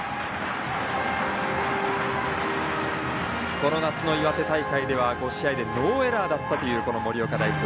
この夏の岩手大会では５試合でノーエラーだったという盛岡大付属。